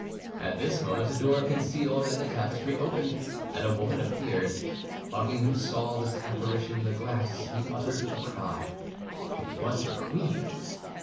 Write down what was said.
At this moment a door concealed in the tapestry opened, and a woman appeared. Buckingham saw this apparition in the glass; he uttered a cry. It was the queen!